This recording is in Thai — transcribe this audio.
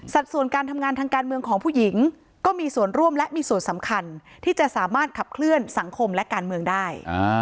ส่วนการทำงานทางการเมืองของผู้หญิงก็มีส่วนร่วมและมีส่วนสำคัญที่จะสามารถขับเคลื่อนสังคมและการเมืองได้